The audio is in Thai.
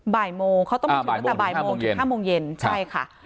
บ่ายโมงเขาต้องมาถึงตั้งแต่บ่ายโมงถึง๕โมงเย็นใช่ค่ะ